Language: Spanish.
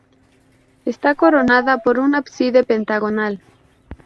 Está coronada por un ábside pentagonal.